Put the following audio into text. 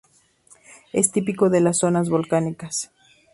Es típico de las zonas volcánicas.